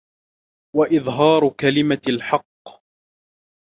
وَإِظْهَارُ كَلِمَةِ الْحَقِّ